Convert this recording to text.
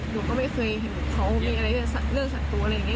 หนูก็ไม่เคยเห็นเขามีอะไรเรื่องสัตว์ตัวอะไรอย่างนี้